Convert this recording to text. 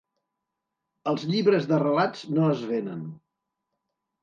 ’Els llibres de relats no es venen.